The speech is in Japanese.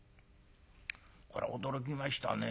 「これは驚きましたね。